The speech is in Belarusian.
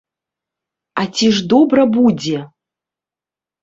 А ці ж добра будзе?!